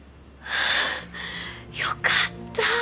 ああよかった。